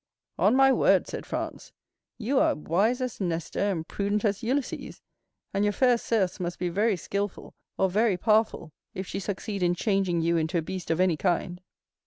"On my word," said Franz, "you are as wise as Nestor and prudent as Ulysses, and your fair Circe must be very skilful or very powerful if she succeed in changing you into a beast of any kind."